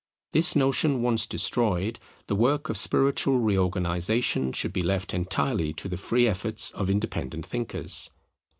This notion once destroyed, the work of spiritual reorganization should be left entirely to the free efforts of independent thinkers.